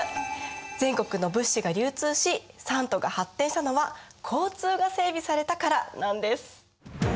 全国の物資が流通し三都が発展したのは交通が整備されたからなんです。